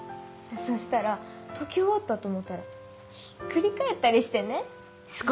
そしたら解き終わったと思ったらひっくり返ったりしてね。